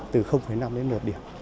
từ năm đến một điểm